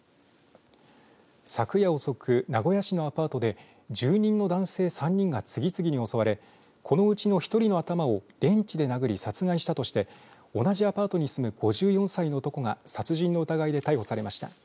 昨夜遅く、名古屋市のアパートで住人の男性３人が次々に襲われこのうちの１人の頭をレンチで殴り殺害したとして同じアパートに住む５４歳の男が殺人の疑いで逮捕されました。